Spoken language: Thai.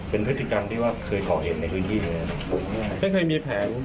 เป็นพฤติกรรมที่ว่าเคยเกาะเองในพื้นที่นี้